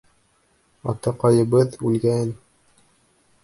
Атаҡайыбыҙ үлгә-ән.